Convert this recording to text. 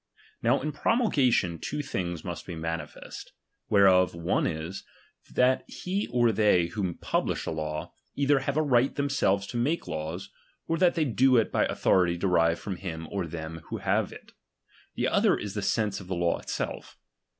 Now in promulgation two things must be manifest ; whereof one is, that he or they who publish a law, either have a right themselves to make laws, or that they do it by authority de rived from him or them who have it ; the other is the sense of the law itself.